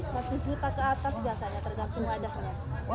satu juta ke atas biasanya tergantung wadahnya